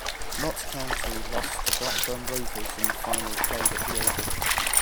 Notts County lost to Blackburn Rovers in the final played at The Oval.